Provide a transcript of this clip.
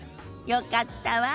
よかったわ。